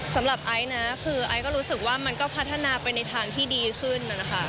ไอซ์นะคือไอซ์ก็รู้สึกว่ามันก็พัฒนาไปในทางที่ดีขึ้นนะคะ